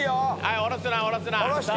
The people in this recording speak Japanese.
下ろすな下ろすな。